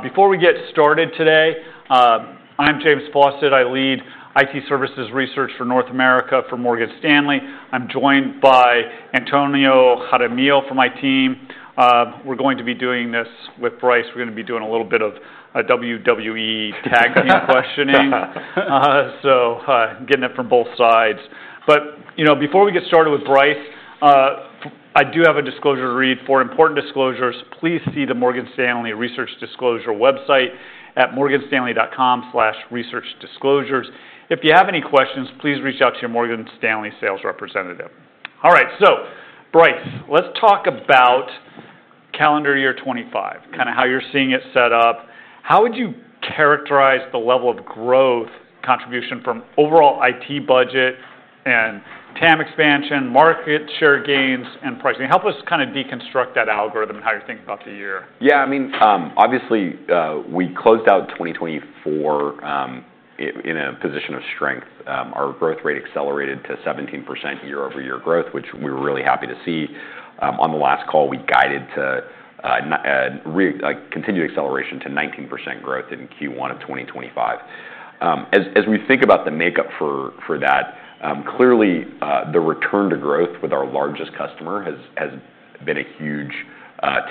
Before we get started today, I'm James Bostad. I lead IT services research for North America for Morgan Stanley. I'm joined by Antonio Jaramillo from my team. We're going to be doing this with Bryce. We're going to be doing a little bit of WWE tag team questioning, so getting it from both sides. Before we get started with Bryce, I do have a disclosure to read. For important disclosures, please see the Morgan Stanley Research Disclosure website at morganstanley.com/researchdisclosures. If you have any questions, please reach out to your Morgan Stanley sales representative. All right, Bryce, let's talk about calendar year 2025, kind of how you're seeing it set up. How would you characterize the level of growth contribution from overall IT budget and TAM expansion, market share gains, and pricing? Help us kind of deconstruct that algorithm and how you're thinking about the year. Yeah, I mean, obviously, we closed out 2024 in a position of strength. Our growth rate accelerated to 17% year-over-year growth, which we were really happy to see. On the last call, we guided to continue acceleration to 19% growth in Q1 of 2025. As we think about the makeup for that, clearly, the return to growth with our largest customer has been a huge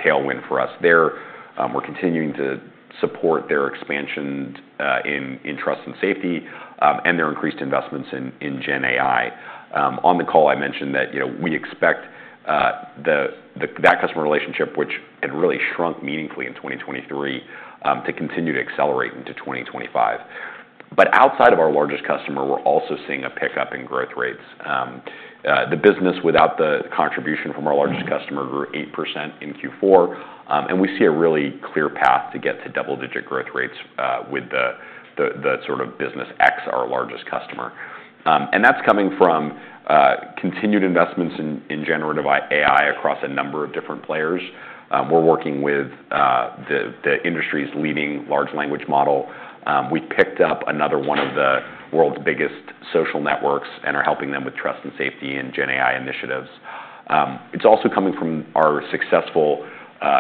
tailwind for us. We're continuing to support their expansion in trust and safety and their increased investments in GenAI. On the call, I mentioned that we expect that customer relationship, which had really shrunk meaningfully in 2023, to continue to accelerate into 2025. Outside of our largest customer, we're also seeing a pickup in growth rates. The business without the contribution from our largest customer grew 8% in Q4, and we see a really clear path to get to double-digit growth rates with the sort of business ex our largest customer. That is coming from continued investments in generative AI across a number of different players. We are working with the industry's leading large language model. We picked up another one of the world's biggest social networks and are helping them with trust and safety and GenAI initiatives. It is also coming from our successful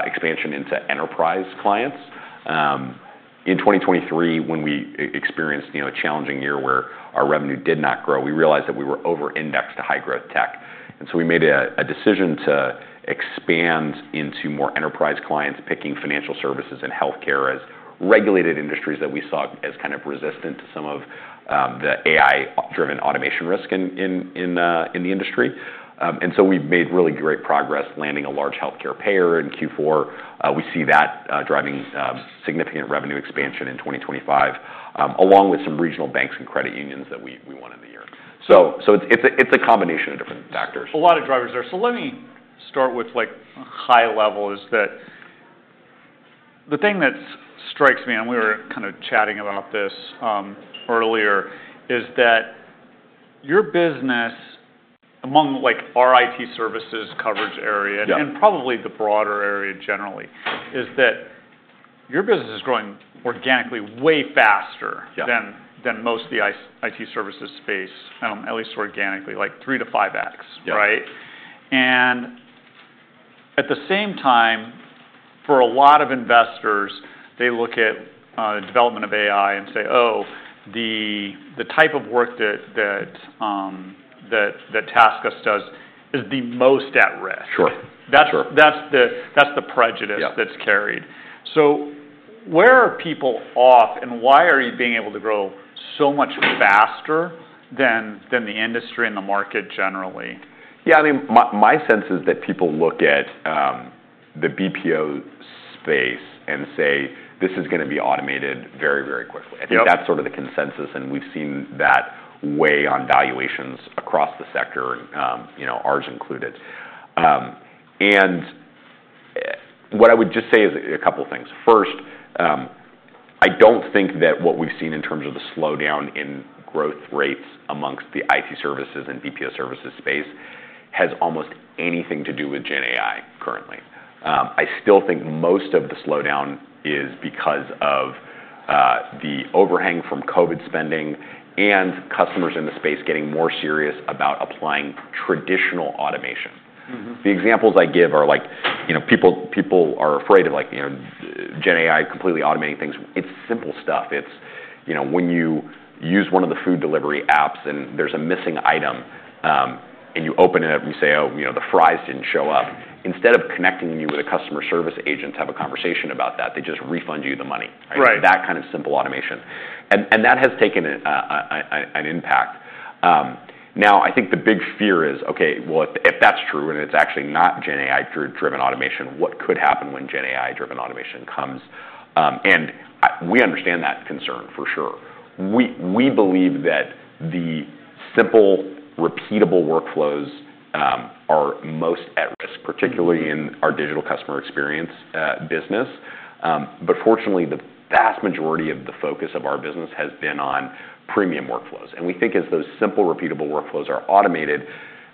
expansion into enterprise clients. In 2023, when we experienced a challenging year where our revenue did not grow, we realized that we were over-indexed to high-growth tech. We made a decision to expand into more enterprise clients, picking financial services and healthcare as regulated industries that we saw as kind of resistant to some of the AI-driven automation risk in the industry. We have made really great progress landing a large healthcare payer in Q4. We see that driving significant revenue expansion in 2025, along with some regional banks and credit unions that we won in the year. It is a combination of different factors. A lot of drivers there. Let me start with high level is that the thing that strikes me, and we were kind of chatting about this earlier, is that your business, among our IT services coverage area and probably the broader area generally, is that your business is growing organically way faster than most of the IT services space, at least organically, like three to five X, right? At the same time, for a lot of investors, they look at the development of AI and say, "Oh, the type of work that TaskUs does is the most at risk." That's the prejudice that's carried. Where are people off, and why are you being able to grow so much faster than the industry and the market generally? Yeah, I mean, my sense is that people look at the BPO space and say, "This is going to be automated very, very quickly." I think that's sort of the consensus, and we've seen that weigh on valuations across the sector, ours included. What I would just say is a couple of things. First, I don't think that what we've seen in terms of the slowdown in growth rates amongst the IT services and BPO services space has almost anything to do with GenAI currently. I still think most of the slowdown is because of the overhang from COVID spending and customers in the space getting more serious about applying traditional automation. The examples I give are like people are afraid of GenAI completely automating things. It's simple stuff. It's when you use one of the food delivery apps and there's a missing item, and you open it up and you say, "Oh, the fries didn't show up." Instead of connecting you with a customer service agent to have a conversation about that, they just refund you the money. That kind of simple automation. That has taken an impact. I think the big fear is, "Okay, if that's true and it's actually not GenAI-driven automation, what could happen when GenAI-driven automation comes?" We understand that concern for sure. We believe that the simple, repeatable workflows are most at risk, particularly in our digital customer experience business. Fortunately, the vast majority of the focus of our business has been on premium workflows. We think as those simple, repeatable workflows are automated,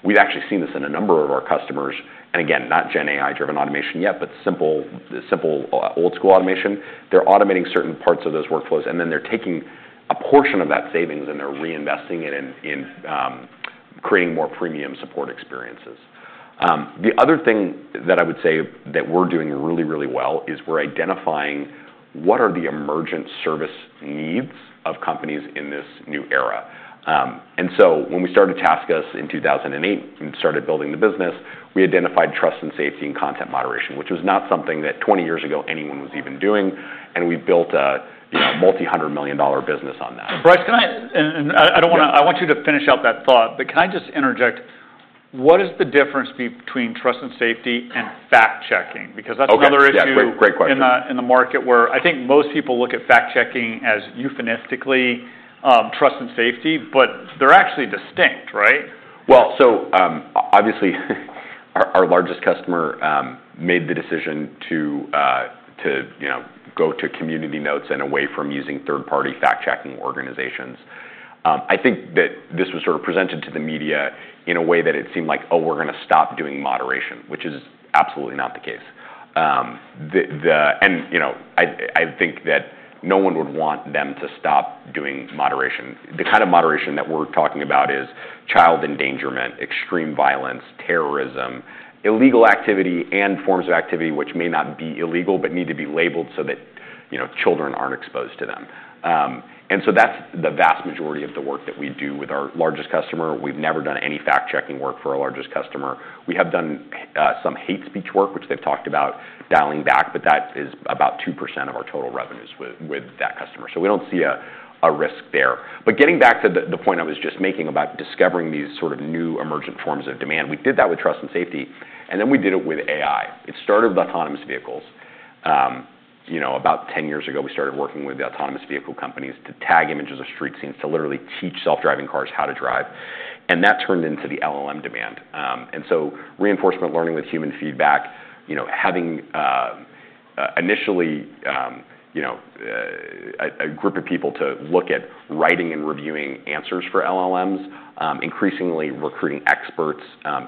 we've actually seen this in a number of our customers. Not GenAI-driven automation yet, but simple old-school automation. They're automating certain parts of those workflows, and then they're taking a portion of that savings and they're reinvesting it in creating more premium support experiences. The other thing that I would say that we're doing really, really well is we're identifying what are the emergent service needs of companies in this new era. When we started TaskUs in 2008 and started building the business, we identified trust and safety and content moderation, which was not something that 20 years ago anyone was even doing. We built a multi-hundred million dollar business on that. Bryce, can I—I want you to finish out that thought, but can I just interject? What is the difference between trust and safety and fact-checking? Because that's another issue. Okay, great question. In the market where I think most people look at fact-checking as euphemistically trust and safety, but they're actually distinct, right? Obviously, our largest customer made the decision to go to community notes and away from using third-party fact-checking organizations. I think that this was sort of presented to the media in a way that it seemed like, "Oh, we're going to stop doing moderation," which is absolutely not the case. I think that no one would want them to stop doing moderation. The kind of moderation that we're talking about is child endangerment, extreme violence, terrorism, illegal activity, and forms of activity which may not be illegal but need to be labeled so that children aren't exposed to them. That is the vast majority of the work that we do with our largest customer. We've never done any fact-checking work for our largest customer. We have done some hate speech work, which they've talked about dialing back, but that is about 2% of our total revenues with that customer. We do not see a risk there. Getting back to the point I was just making about discovering these sort of new emergent forms of demand, we did that with trust and safety, and then we did it with AI. It started with autonomous vehicles. About 10 years ago, we started working with the autonomous vehicle companies to tag images of street scenes to literally teach self-driving cars how to drive. That turned into the LLM demand. Reinforcement learning with human feedback, having initially a group of people to look at writing and reviewing answers for LLMs, increasingly recruiting experts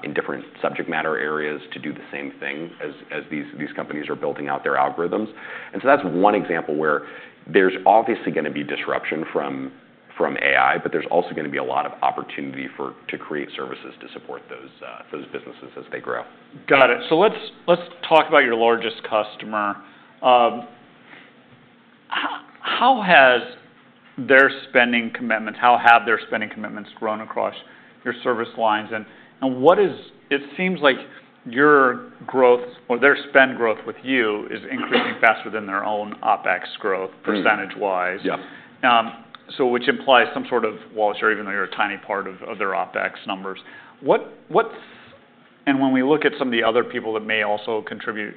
in different subject matter areas to do the same thing as these companies are building out their algorithms. That's one example where there's obviously going to be disruption from AI, but there's also going to be a lot of opportunity to create services to support those businesses as they grow. Got it. Let's talk about your largest customer. How have their spending commitments grown across your service lines? It seems like your growth, or their spend growth with you, is increasing faster than their own OpEx growth percentage-wise, which implies some sort of wallet share, even though you're a tiny part of their OpEx numbers. When we look at some of the other people that may also contribute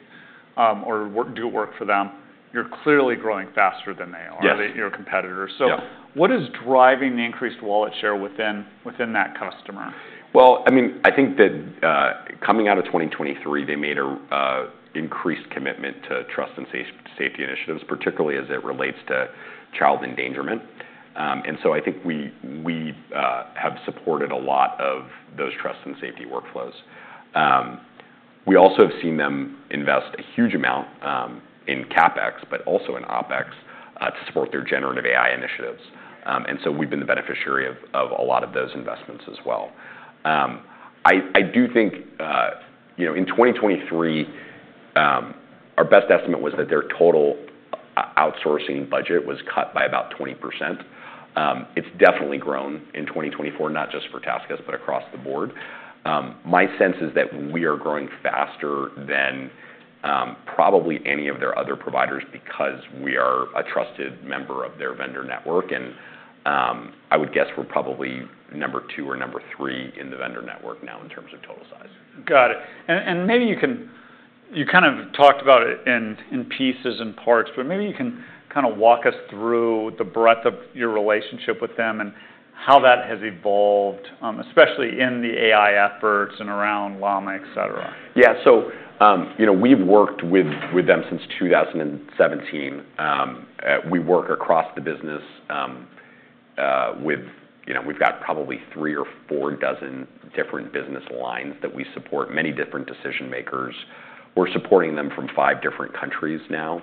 or do work for them, you're clearly growing faster than they are, your competitors. What is driving the increased wallet share within that customer? I mean, I think that coming out of 2023, they made an increased commitment to trust and safety initiatives, particularly as it relates to child endangerment. I think we have supported a lot of those trust and safety workflows. We also have seen them invest a huge amount in CapEx, but also in OpEx to support their generative AI initiatives. We have been the beneficiary of a lot of those investments as well. I do think in 2023, our best estimate was that their total outsourcing budget was cut by about 20%. It has definitely grown in 2024, not just for TaskUs, but across the board. My sense is that we are growing faster than probably any of their other providers because we are a trusted member of their vendor network. I would guess we're probably number two or number three in the vendor network now in terms of total size. Got it. Maybe you kind of talked about it in pieces and parts, but maybe you can kind of walk us through the breadth of your relationship with them and how that has evolved, especially in the AI efforts and around Llama, etc. Yeah, so we've worked with them since 2017. We work across the business with we've got probably three or four dozen different business lines that we support, many different decision-makers. We're supporting them from five different countries now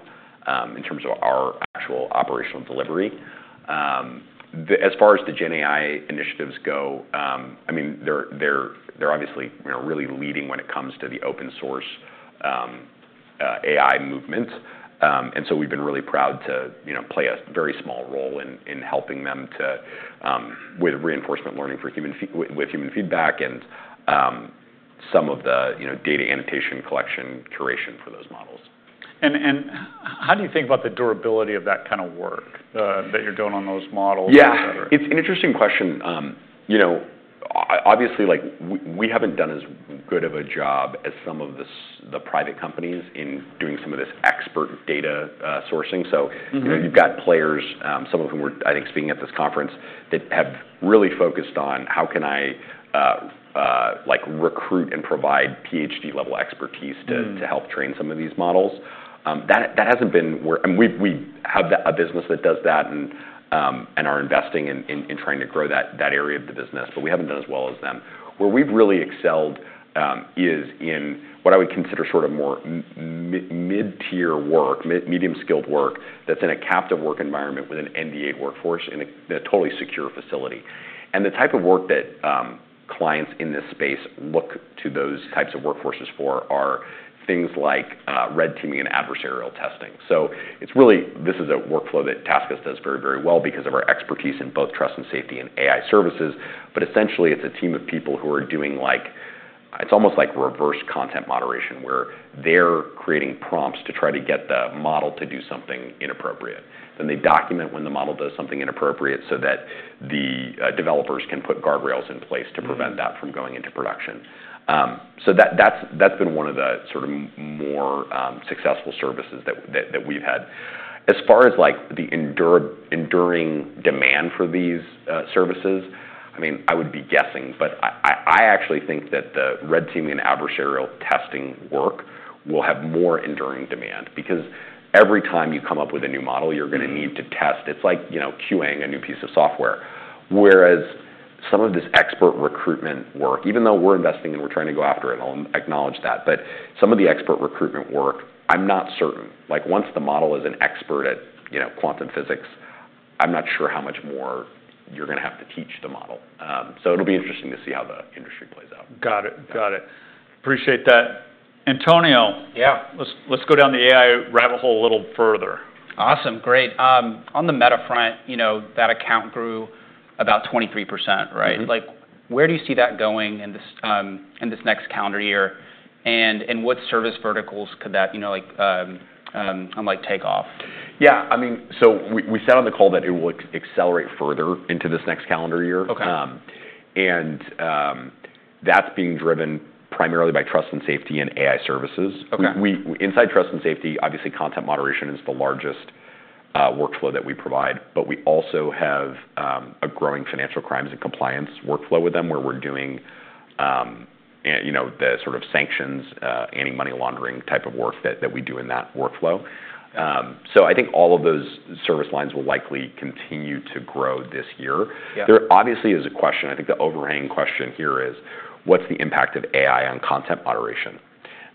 in terms of our actual operational delivery. As far as the GenAI initiatives go, I mean, they're obviously really leading when it comes to the open-source AI movement. And so we've been really proud to play a very small role in helping them with reinforcement learning with human feedback and some of the data annotation collection curation for those models. How do you think about the durability of that kind of work that you're doing on those models? Yeah, it's an interesting question. Obviously, we haven't done as good of a job as some of the private companies in doing some of this expert data sourcing. You've got players, some of whom were, I think, speaking at this conference, that have really focused on how can I recruit and provide PhD-level expertise to help train some of these models. That hasn't been where we have a business that does that and are investing in trying to grow that area of the business, but we haven't done as well as them. Where we've really excelled is in what I would consider sort of more mid-tier work, medium-skilled work that's in a captive work environment with an NDA workforce in a totally secure facility. The type of work that clients in this space look to those types of workforces for are things like red teaming and adversarial testing. This is a workflow that TaskUs does very, very well because of our expertise in both trust and safety and AI services. Essentially, it's a team of people who are doing like it's almost like reverse content moderation where they're creating prompts to try to get the model to do something inappropriate. They document when the model does something inappropriate so that the developers can put guardrails in place to prevent that from going into production. That's been one of the sort of more successful services that we've had. As far as the enduring demand for these services, I mean, I would be guessing, but I actually think that the red teaming and adversarial testing work will have more enduring demand because every time you come up with a new model, you're going to need to test. It's like QAing a new piece of software. Whereas some of this expert recruitment work, even though we're investing and we're trying to go after it, I'll acknowledge that, but some of the expert recruitment work, I'm not certain. Once the model is an expert at quantum physics, I'm not sure how much more you're going to have to teach the model. It will be interesting to see how the industry plays out. Got it. Got it. Appreciate that. Antonio, let's go down the AI rabbit hole a little further. Awesome. Great. On the Meta front, that account grew about 23%, right? Where do you see that going in this next calendar year? What service verticals could that take off? Yeah, I mean, we said on the call that it will accelerate further into this next calendar year. That's being driven primarily by trust and safety and AI services. Inside trust and safety, obviously, content moderation is the largest workflow that we provide, but we also have a growing financial crimes and compliance workflow with them where we're doing the sort of sanctions, anti-money laundering type of work that we do in that workflow. I think all of those service lines will likely continue to grow this year. There obviously is a question. I think the overhanging question here is, what's the impact of AI on content moderation?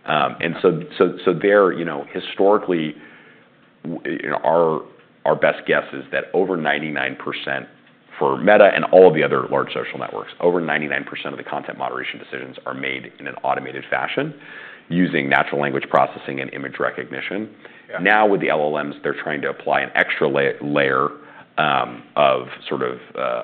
There, historically, our best guess is that over 99% for Meta and all of the other large social networks, over 99% of the content moderation decisions are made in an automated fashion using natural language processing and image recognition. Now, with the LLMs, they're trying to apply an extra layer of sort of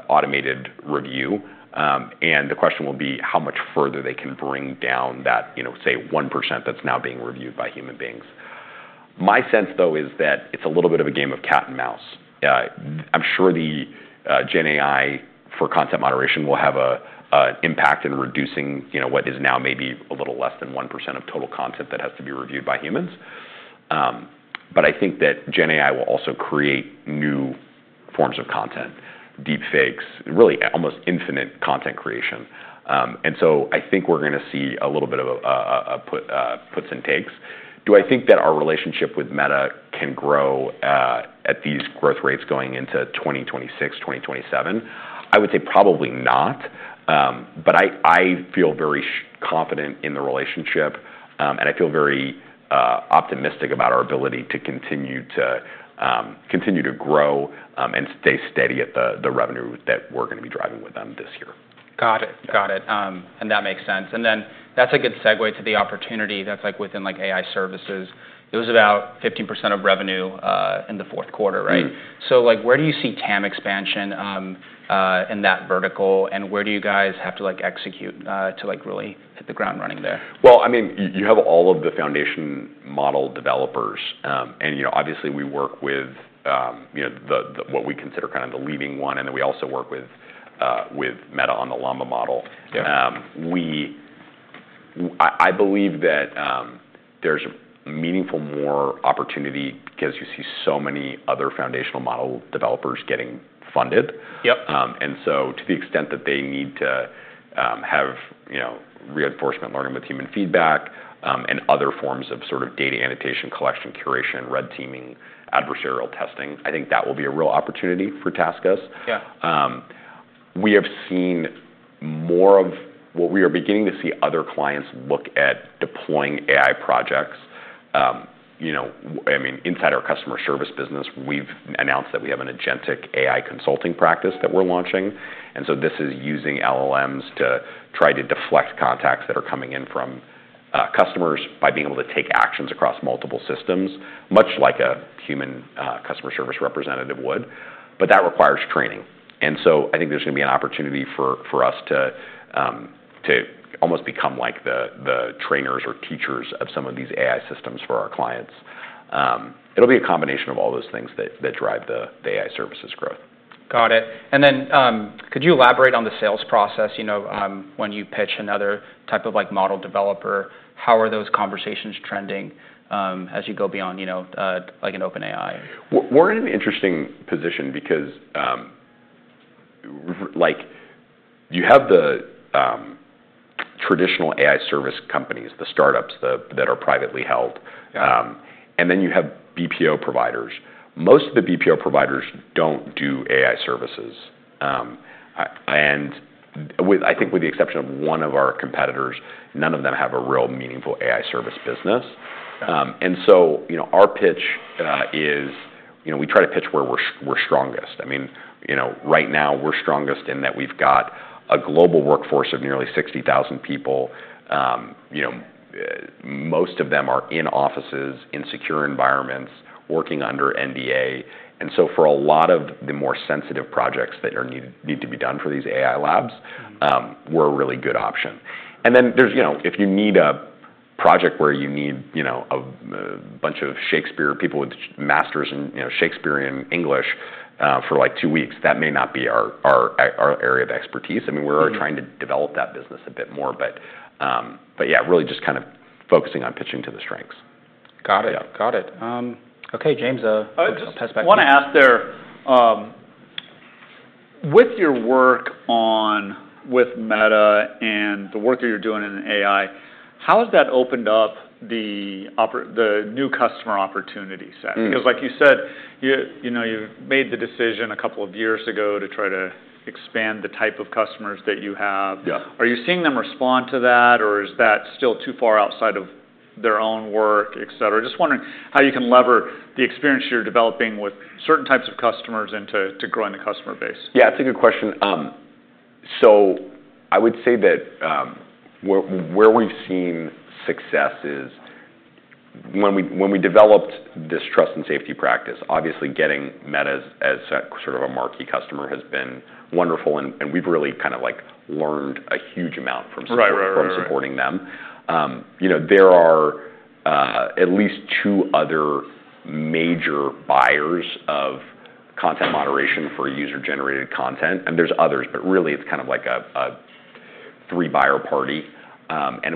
automated review. The question will be how much further they can bring down that, say, 1% that's now being reviewed by human beings. My sense, though, is that it's a little bit of a game of cat and mouse. I'm sure the GenAI for content moderation will have an impact in reducing what is now maybe a little less than 1% of total content that has to be reviewed by humans. I think that GenAI will also create new forms of content, deepfakes, really almost infinite content creation. I think we're going to see a little bit of puts and takes. Do I think that our relationship with Meta can grow at these growth rates going into 2026, 2027? I would say probably not, but I feel very confident in the relationship, and I feel very optimistic about our ability to continue to grow and stay steady at the revenue that we're going to be driving with them this year. Got it. Got it. That makes sense. That is a good segue to the opportunity that is within AI services. It was about 15% of revenue in the fourth quarter, right? Where do you see TAM expansion in that vertical, and where do you guys have to execute to really hit the ground running there? I mean, you have all of the foundation model developers. Obviously, we work with what we consider kind of the leading one, and then we also work with Meta on the Llama model. I believe that there is a meaningful more opportunity because you see so many other foundational model developers getting funded. To the extent that they need to have reinforcement learning with human feedback and other forms of sort of data annotation collection, curation, red teaming, adversarial testing, I think that will be a real opportunity for TaskUs. We have seen more of what we are beginning to see other clients look at deploying AI projects. I mean, inside our customer service business, we have announced that we have an agentic AI consulting practice that we are launching. This is using LLMs to try to deflect contacts that are coming in from customers by being able to take actions across multiple systems, much like a human customer service representative would. That requires training. I think there's going to be an opportunity for us to almost become like the trainers or teachers of some of these AI systems for our clients. It'll be a combination of all those things that drive the AI services growth. Got it. Could you elaborate on the sales process when you pitch another type of model developer? How are those conversations trending as you go beyond an OpenAI? We're in an interesting position because you have the traditional AI service companies, the startups that are privately held, and then you have BPO providers. Most of the BPO providers don't do AI services. I think with the exception of one of our competitors, none of them have a real meaningful AI service business. Our pitch is we try to pitch where we're strongest. I mean, right now, we're strongest in that we've got a global workforce of nearly 60,000 people. Most of them are in offices, in secure environments, working under NDA. For a lot of the more sensitive projects that need to be done for these AI labs, we're a really good option. If you need a project where you need a bunch of Shakespeare people with masters in Shakespearean English for like two weeks, that may not be our area of expertise. I mean, we're trying to develop that business a bit more. Yeah, really just kind of focusing on pitching to the strengths. Got it. Got it. Okay, James, I want to ask there, with your work with Meta and the work that you're doing in AI, how has that opened up the new customer opportunity set? Because like you said, you made the decision a couple of years ago to try to expand the type of customers that you have. Are you seeing them respond to that, or is that still too far outside of their own work, etc.? Just wondering how you can lever the experience you're developing with certain types of customers into growing the customer base. Yeah, it's a good question. I would say that where we've seen success is when we developed this trust and safety practice, obviously getting Meta as sort of a marquee customer has been wonderful, and we've really kind of learned a huge amount from supporting them. There are at least two other major buyers of content moderation for user-generated content, and there's others, but really it's kind of like a three-buyer party.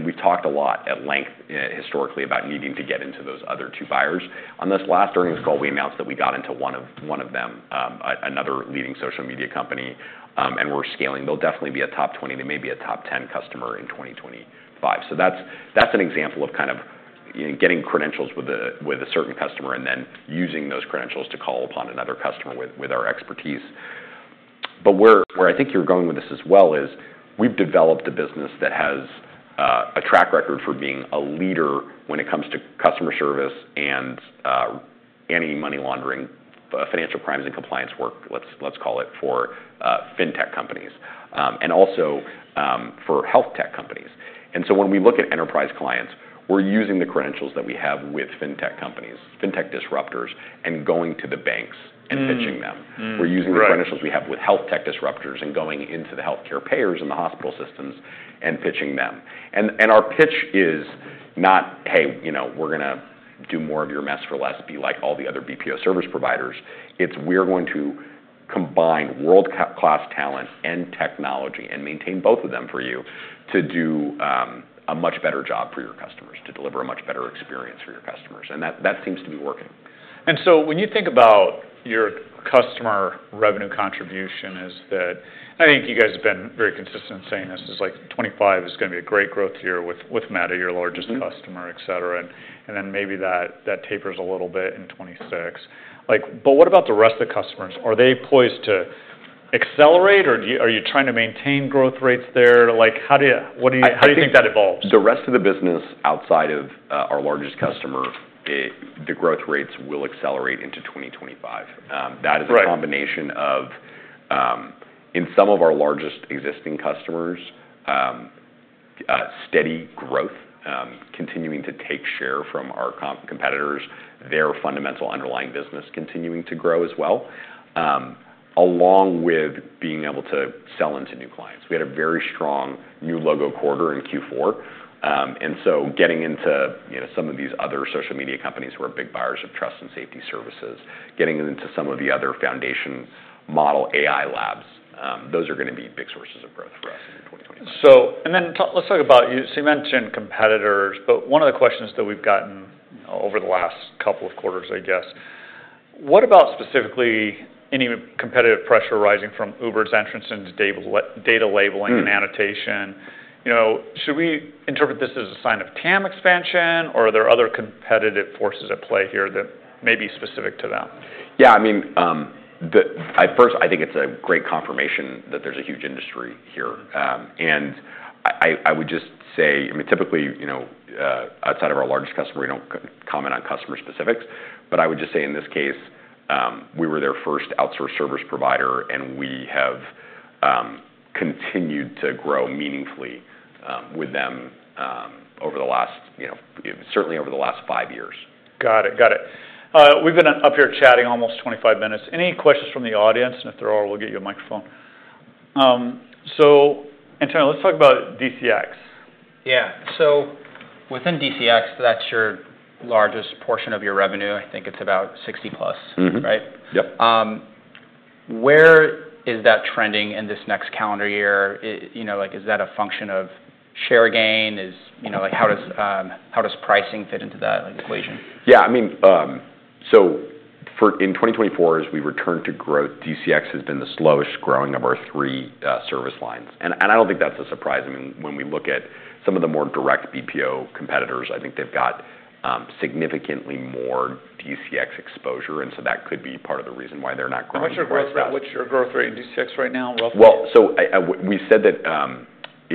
We've talked a lot at length historically about needing to get into those other two buyers. On this last earnings call, we announced that we got into one of them, another leading social media company, and we're scaling. They'll definitely be a top 20. They may be a top 10 customer in 2025. That's an example of kind of getting credentials with a certain customer and then using those credentials to call upon another customer with our expertise. Where I think you're going with this as well is we've developed a business that has a track record for being a leader when it comes to customer service and anti-money laundering, financial crimes and compliance work, let's call it, for fintech companies and also for health tech companies. When we look at enterprise clients, we're using the credentials that we have with fintech companies, fintech disruptors, and going to the banks and pitching them. We're using the credentials we have with health tech disruptors and going into the healthcare payers and the hospital systems and pitching them. Our pitch is not, "Hey, we're going to do more of your mess for less, be like all the other BPO service providers." It is, "We're going to combine world-class talent and technology and maintain both of them for you to do a much better job for your customers, to deliver a much better experience for your customers." That seems to be working. When you think about your customer revenue contribution, I think you guys have been very consistent in saying this is like 2025 is going to be a great growth year with Meta, your largest customer, etc., and then maybe that tapers a little bit in 2026. What about the rest of the customers? Are they poised to accelerate, or are you trying to maintain growth rates there? How do you think that evolves? The rest of the business outside of our largest customer, the growth rates will accelerate into 2025. That is a combination of, in some of our largest existing customers, steady growth, continuing to take share from our competitors, their fundamental underlying business continuing to grow as well, along with being able to sell into new clients. We had a very strong new logo quarter in Q4. Getting into some of these other social media companies who are big buyers of trust and safety services, getting into some of the other foundation model AI labs, those are going to be big sources of growth for us in 2025. You mentioned competitors, but one of the questions that we've gotten over the last couple of quarters, I guess, what about specifically any competitive pressure arising from Uber's entrance into data labeling and annotation? Should we interpret this as a sign of TAM expansion, or are there other competitive forces at play here that may be specific to them? Yeah, I mean, at first, I think it's a great confirmation that there's a huge industry here. I would just say, I mean, typically, outside of our largest customer, we don't comment on customer specifics. I would just say, in this case, we were their first outsourced service provider, and we have continued to grow meaningfully with them over the last, certainly over the last five years. Got it. Got it. We've been up here chatting almost 25 minutes. Any questions from the audience? If there are, we'll get you a microphone. Antonio, let's talk about DCX. Yeah. So within DCX, that's your largest portion of your revenue. I think it's about 60% plus, right? Yep. Where is that trending in this next calendar year? Is that a function of share gain? How does pricing fit into that equation? Yeah, I mean, in 2024, as we return to growth, DCX has been the slowest growing of our three service lines. I don't think that's a surprise. I mean, when we look at some of the more direct BPO competitors, I think they've got significantly more DCX exposure. That could be part of the reason why they're not growing as fast. How much is your growth rate in DCX right now, roughly? We said that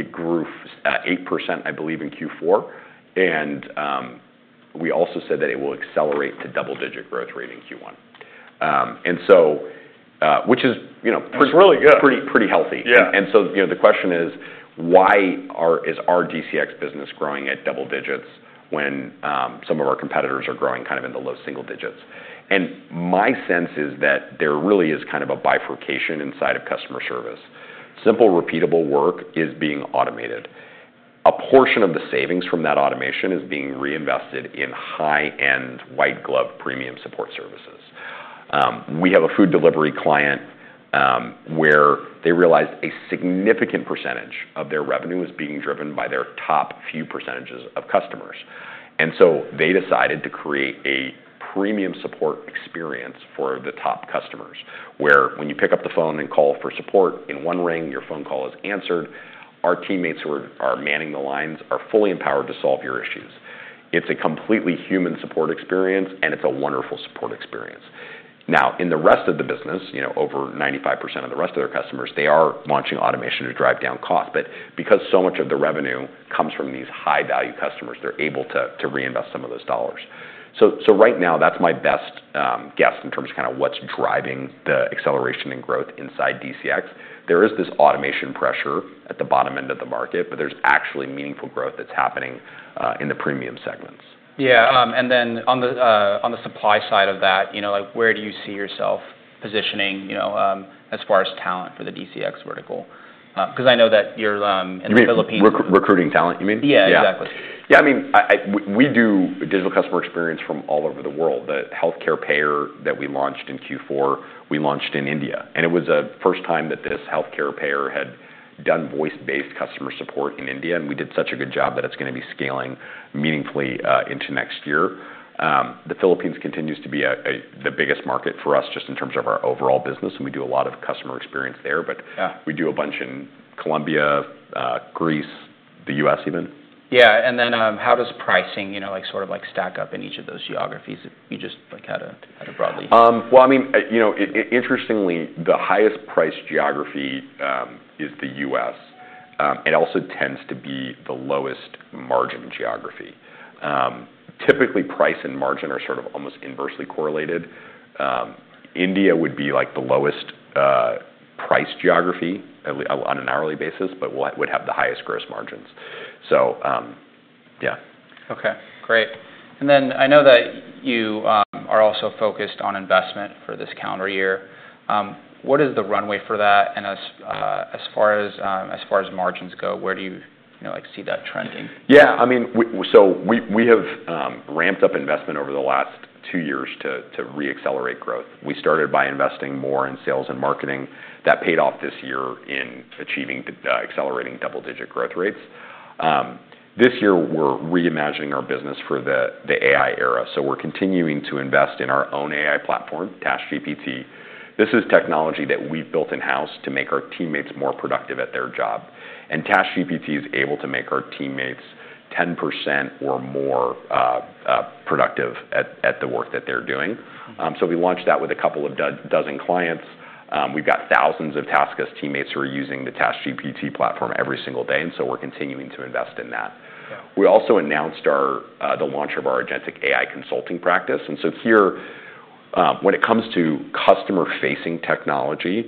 it grew 8% in Q4. We also said that it will accelerate to double-digit growth rate in Q1, which is pretty healthy. The question is, why is our DCX business growing at double digits when some of our competitors are growing kind of in the low single digits? My sense is that there really is kind of a bifurcation inside of customer service. Simple, repeatable work is being automated. A portion of the savings from that automation is being reinvested in high-end white-glove premium support services. We have a food delivery client where they realized a significant percentage of their revenue was being driven by their top few percentages of customers. They decided to create a premium support experience for the top customers where when you pick up the phone and call for support, in one ring, your phone call is answered. Our teammates who are manning the lines are fully empowered to solve your issues. It is a completely human support experience, and it is a wonderful support experience. Now, in the rest of the business, over 95% of the rest of their customers, they are launching automation to drive down costs. Because so much of the revenue comes from these high-value customers, they are able to reinvest some of those dollars. Right now, that is my best guess in terms of kind of what is driving the acceleration and growth inside DCX. There is this automation pressure at the bottom end of the market, but there is actually meaningful growth that is happening in the premium segments. Yeah. And then on the supply side of that, where do you see yourself positioning as far as talent for the DCX vertical? Because I know that you're in the Philippines. Recruiting talent, you mean? Yeah, exactly. Yeah. I mean, we do digital customer experience from all over the world. The healthcare payer that we launched in Q4, we launched in India. It was the first time that this healthcare payer had done voice-based customer support in India. We did such a good job that it's going to be scaling meaningfully into next year. The Philippines continues to be the biggest market for us just in terms of our overall business. We do a lot of customer experience there, but we do a bunch in Colombia, Greece, the U.S. even. Yeah. How does pricing sort of stack up in each of those geographies that you just had broadly? Interestingly, the highest priced geography is the U.S. It also tends to be the lowest margin geography. Typically, price and margin are sort of almost inversely correlated. India would be the lowest priced geography on an hourly basis, but would have the highest gross margins. Yeah. Okay. Great. I know that you are also focused on investment for this calendar year. What is the runway for that? As far as margins go, where do you see that trending? Yeah. I mean, we have ramped up investment over the last two years to re-accelerate growth. We started by investing more in sales and marketing. That paid off this year in achieving accelerating double-digit growth rates. This year, we are reimagining our business for the AI era. We are continuing to invest in our own AI platform, TaskGPT. This is technology that we have built in-house to make our teammates more productive at their job. TaskGPT is able to make our teammates 10% or more productive at the work that they are doing. We launched that with a couple of dozen clients. We have thousands of TaskGPT teammates who are using the TaskGPT platform every single day. We are continuing to invest in that. We also announced the launch of our agentic AI consulting practice. Here, when it comes to customer-facing technology,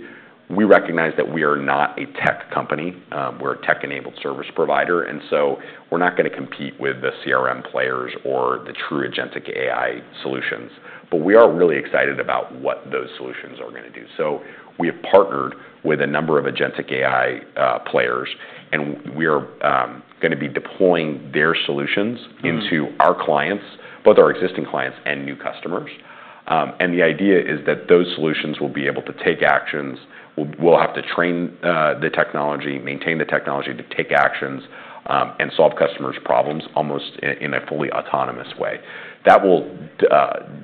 we recognize that we are not a tech company. We're a tech-enabled service provider. We are not going to compete with the CRM players or the true agentic AI solutions. We are really excited about what those solutions are going to do. We have partnered with a number of agentic AI players, and we are going to be deploying their solutions into our clients, both our existing clients and new customers. The idea is that those solutions will be able to take actions. We'll have to train the technology, maintain the technology to take actions and solve customers' problems almost in a fully autonomous way. That will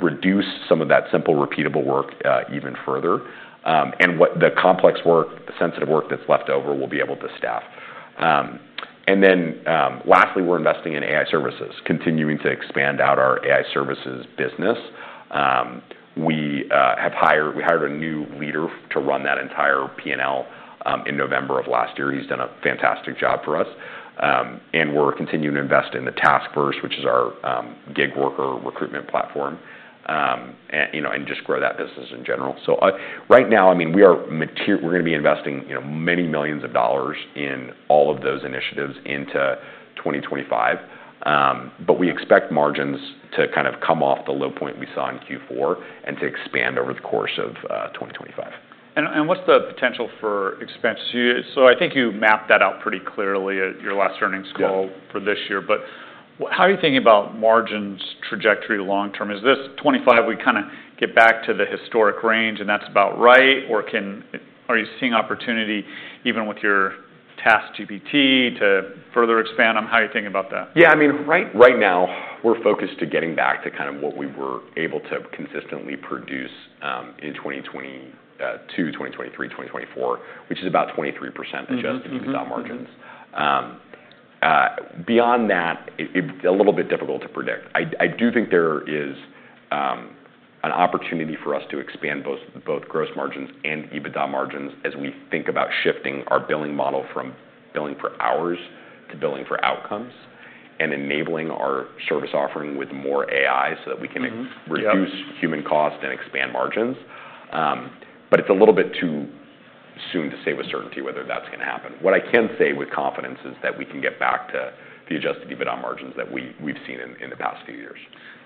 reduce some of that simple, repeatable work even further. The complex work, the sensitive work that's left over, we'll be able to staff. Lastly, we're investing in AI services, continuing to expand out our AI services business. We hired a new leader to run that entire P&L in November of last year. He's done a fantastic job for us. We're continuing to invest in the TaskVerse, which is our gig worker recruitment platform, and just grow that business in general. Right now, I mean, we're going to be investing many millions of dollars in all of those initiatives into 2025. We expect margins to kind of come off the low point we saw in Q4 and to expand over the course of 2025. What's the potential for expansion? I think you mapped that out pretty clearly at your last earnings call for this year. How are you thinking about margins' trajectory long term? Is this 2025, we kind of get back to the historic range, and that's about right? Are you seeing opportunity even with your TaskGPT to further expand on how you're thinking about that? Yeah. I mean, right now, we're focused on getting back to kind of what we were able to consistently produce in 2022, 2023, 2024, which is about 23% adjusted EBITDA margins. Beyond that, it's a little bit difficult to predict. I do think there is an opportunity for us to expand both gross margins and EBITDA margins as we think about shifting our billing model from billing for hours to billing for outcomes and enabling our service offering with more AI so that we can reduce human cost and expand margins. It's a little bit too soon to say with certainty whether that's going to happen. What I can say with confidence is that we can get back to the adjusted EBITDA margins that we've seen in the past few years.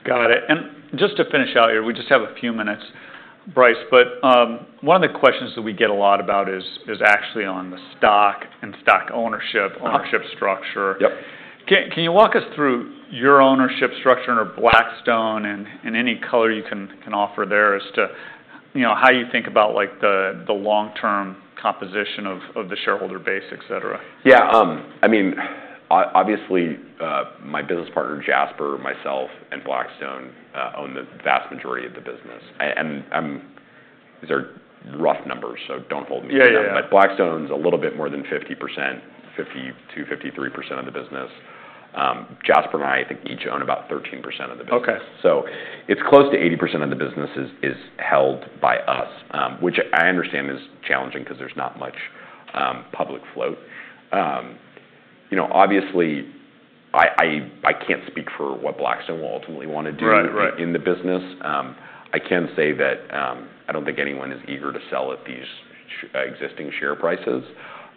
Got it. Just to finish out here, we just have a few minutes, Bryce, but one of the questions that we get a lot about is actually on the stock and stock ownership, ownership structure. Can you walk us through your ownership structure under Blackstone and any color you can offer there as to how you think about the long-term composition of the shareholder base, etc.? Yeah. I mean, obviously, my business partner, Jaspar, myself, and Blackstone own the vast majority of the business. These are rough numbers, so do not hold me to them. Blackstone is a little bit more than 50%, 52%-53% of the business. Jaspar and I, I think, each own about 13% of the business. It is close to 80% of the business is held by us, which I understand is challenging because there is not much public float. Obviously, I cannot speak for what Blackstone will ultimately want to do in the business. I can say that I do not think anyone is eager to sell at these existing share prices.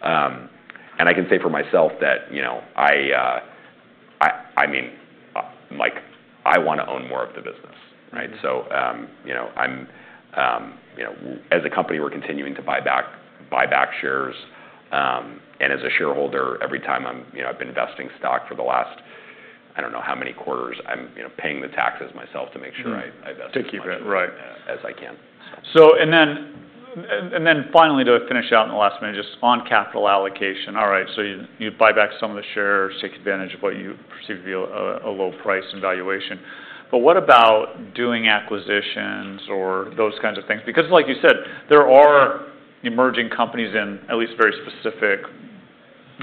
I can say for myself that, I mean, I want to own more of the business, right? As a company, we are continuing to buy back shares. As a shareholder, every time I've been investing stock for the last, I don't know how many quarters, I'm paying the taxes myself to make sure I invest as much as I can. Finally, to finish out in the last minute, just on capital allocation. All right. You buy back some of the shares, take advantage of what you perceive to be a low price and valuation. What about doing acquisitions or those kinds of things? Like you said, there are emerging companies in at least very specific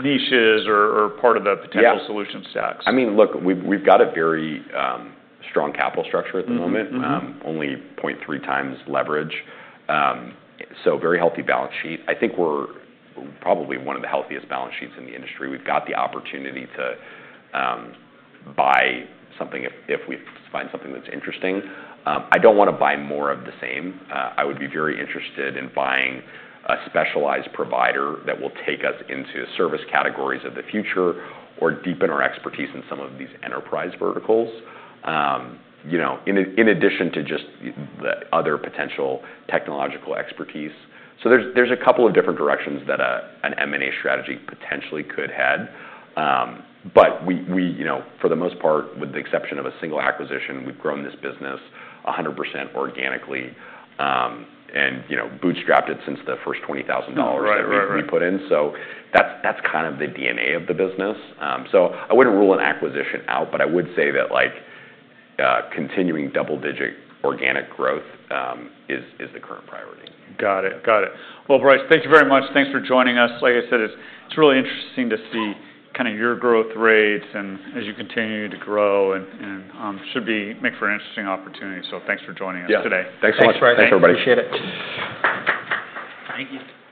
niches or part of the potential solution stacks. Yeah. I mean, look, we've got a very strong capital structure at the moment, only 0.3 times leverage. So very healthy balance sheet. I think we're probably one of the healthiest balance sheets in the industry. We've got the opportunity to buy something if we find something that's interesting. I don't want to buy more of the same. I would be very interested in buying a specialized provider that will take us into service categories of the future or deepen our expertise in some of these enterprise verticals, in addition to just the other potential technological expertise. There's a couple of different directions that an M&A strategy potentially could head. For the most part, with the exception of a single acquisition, we've grown this business 100% organically and bootstrapped it since the first $20,000 that we put in. That's kind of the DNA of the business. I wouldn't rule an acquisition out, but I would say that continuing double-digit organic growth is the current priority. Got it. Got it. Bryce, thank you very much. Thanks for joining us. Like I said, it's really interesting to see kind of your growth rates and as you continue to grow and should make for an interesting opportunity. Thanks for joining us today. Yeah. Thanks so much. Thanks, Bryce. Thanks, everybody. Appreciate it. Thank you.